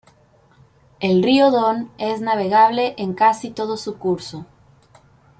El río Don es navegable en casi todo su curso.